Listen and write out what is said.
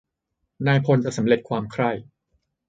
นายพลจะสำเร็จความใคร่.